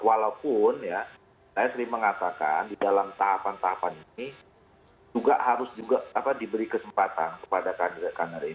walaupun ya saya sering mengatakan di dalam tahapan tahapan ini juga harus juga diberi kesempatan kepada kader kader ini